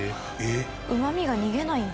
うまみが逃げないんだ。